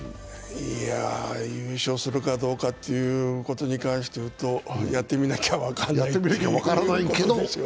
いや優勝するかどうかということに関して言うとやってみなきゃ分からないですよね。